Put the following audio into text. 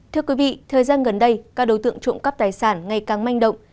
thưa quý vị thời gian gần đây các đối tượng trộm cắp tài sản ngày càng manh động